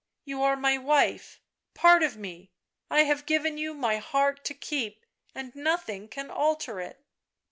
" You are my wife — part of me; I have given you my heart to keep, and nothing can alter it."